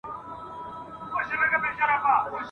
په شېلو کي پړانګ په منډو کړ ځان ستړی !.